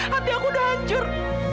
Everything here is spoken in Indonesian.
hati aku udah hancur